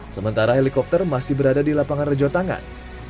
sementara helikopter masih berada di lapangan rejotangan